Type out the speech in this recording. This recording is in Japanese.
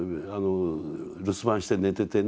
「留守番して寝ててね。